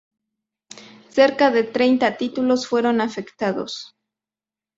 Cerca de treinta títulos fueron afectados.